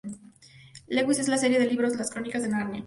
Lewis en la serie de libros "Las Crónicas de Narnia".